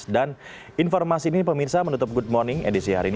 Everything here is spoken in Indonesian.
dan informasi ini pemirsa menutup good morning edisi hari ini